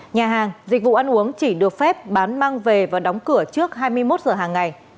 nhà hàng dịch vụ ăn uống chỉ được phép bán mang về và đóng cửa trước hai mươi một giờ hàng ngày